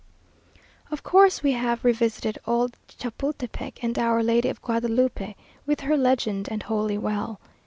Of course we have revisited old Chapultepec and Our Lady of Guadalupe, with her Legend and Holy Well.